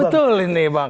betul ini bang